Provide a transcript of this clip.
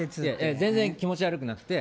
全然気持ち悪くなくて。